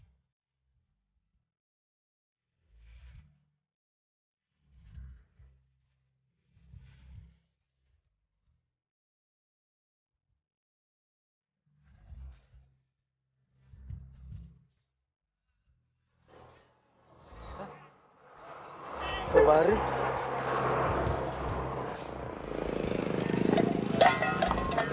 pak sobari betul ya